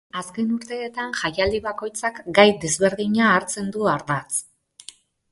Azken urteetan jaialdi bakoitzak gai desberdina hartzen du ardatz.